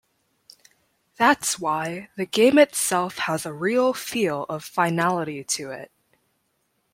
That's why the game itself has a real feel of finality to it.